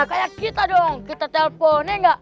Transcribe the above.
kayak kita dong kita telpon